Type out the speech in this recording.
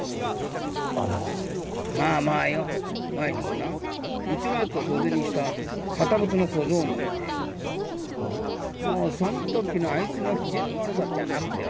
あのまあまあよ前にもなうちのやつを袖にした堅物の小僧もいてよもうそんときのあいつの機嫌の悪さっちゃあなくてよ